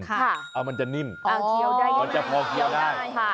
ค่ะค่ะมันจะนิ่มมันจะพอเคี้ยวได้ค่ะอ๋อเคี้ยวได้